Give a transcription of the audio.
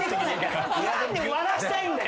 何で割らせたいんだよ！